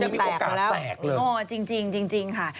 ยังมีแตกแล้วมันจะมีโอกาสแตกเลยจริงค่ะ